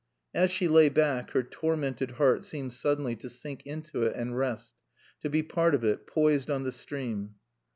As she lay back, her tormented heart seemed suddenly to sink into it and rest, to be part of it, poised on the stream.